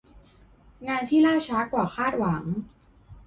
งานที่ล่าช้ากว่าคาดหวัง